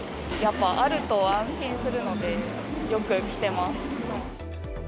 やっぱあると安心するので、よく着てます。